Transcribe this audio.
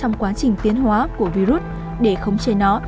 trong quá trình tiến hóa của virus để khống chế nó